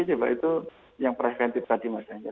jangan berusaha itu yang preventif tadi masanya